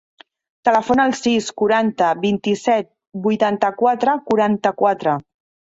Telefona al sis, quaranta, vint-i-set, vuitanta-quatre, quaranta-quatre.